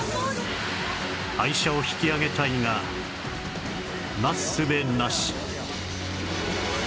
愛車を引き揚げたいがなすすべなし